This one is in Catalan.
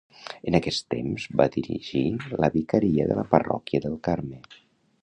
En aquest temps va dirigir la vicaria de la parròquia del Carme.